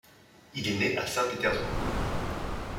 Il est né à Saint-Pétersbourg.